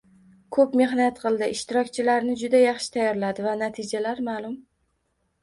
Ko‘p mehnat qildi, ishtirokchilarini juda yaxshi tayyorladi va natijalar ma’lum.